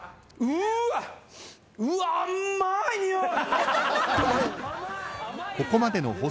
うわうわ甘いにおい。